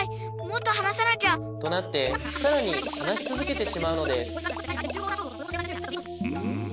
もっとはなさなきゃ！となってさらにはなしつづけてしまうのですん？